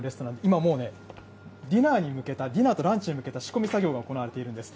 今もうね、ディナーに向けた、ディナーとランチに向けた仕込み作業が行われているんです。